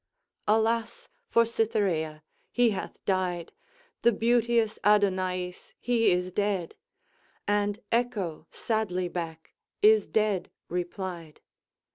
Alas for Cytherea! he hath died The beauteous Adonaïs, he is dead! And Echo sadly back "is dead" replied.